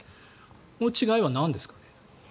この違いはなんですかね。